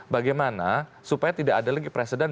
bagaimana supaya tidak ada lagi presiden